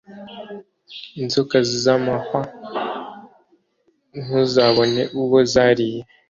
Inzoka zamahwa ntuzabone uwo zariye